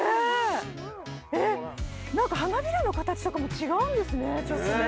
えっ何か花びらの形とかも違うんですねちょっとね。